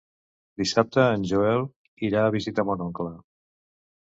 Dissabte en Joel irà a visitar mon oncle.